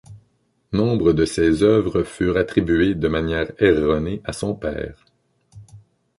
Nombre de ces œuvres furent attribuées de manière erronée à son père.